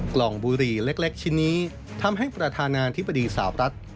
กลองบุรีเล็กชนิดนี้ทำให้ประธานาธิบดีทราบรัฐ